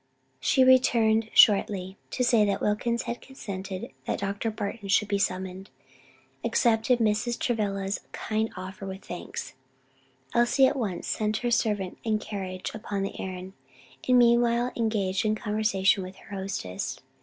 She returned shortly to say that Wilkins had consented that Dr. Barton should be summoned; accepted Mrs. Travilla's kind offer with thanks. Elsie at once sent her servant and carriage upon the errand, and meanwhile engaged in conversation with her hostess.